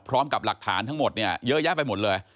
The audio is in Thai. พร้อมกับหลักฐานทั้งหมดเนี่ยเยอะแยะไปหมดเลย